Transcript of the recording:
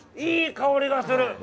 いい香りがする。